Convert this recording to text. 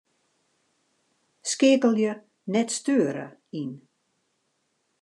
Skeakelje 'net steure' yn.